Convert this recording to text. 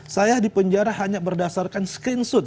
saya dipenjara hanya berdasarkan screenshot